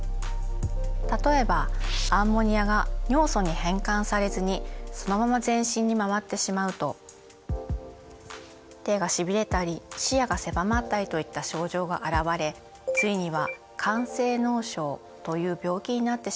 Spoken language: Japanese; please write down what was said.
例えばアンモニアが尿素に変換されずにそのまま全身に回ってしまうと手がしびれたり視野が狭まったりといった症状が現れついには肝性脳症という病気になってしまうこともあります。